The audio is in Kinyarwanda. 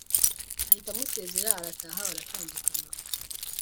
ahita amusezera arataha baratandukana